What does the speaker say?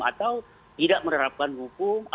atau tidak menerapkan hukum